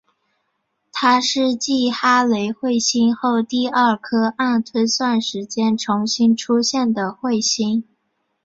它是继哈雷彗星后第二颗按推算时间重新出现的彗星。